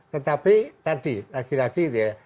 tetapi tadi lagi lagi gitu ya